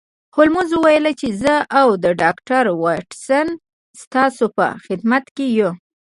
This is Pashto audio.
هولمز وویل چې زه او ډاکټر واټسن ستاسو په خدمت کې یو